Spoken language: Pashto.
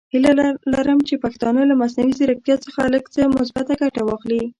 هیله لرم چې پښتانه له مصنوعي زیرکتیا څخه لږ څه مثبته ګټه واخلي.